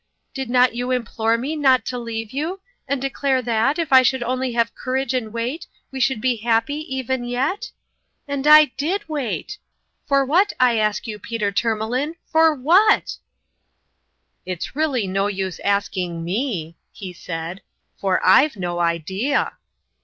Did not you implore me not to leave you, and declare that, if I would only have courage and wait, we should be happy even yet ? And I did wait. 152 (Eotrnnaiin's ime For what, I ask you, Peter Tourmalin for wfatt" " It's really no use asking me" he said, " for I've no idea